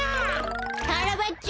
カラバッチョ！